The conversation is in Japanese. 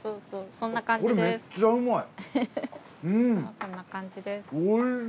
そんな感じです。